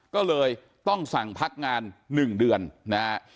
ก็เลยต้องสั่งพักงานหนึ่งเดือนนะครับ